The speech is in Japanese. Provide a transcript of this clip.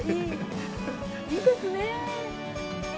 いいですね。